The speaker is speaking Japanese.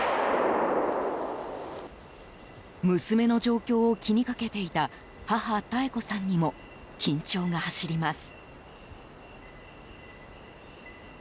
娘の状況を気にかけていた母・妙子さんにも緊張が走ります。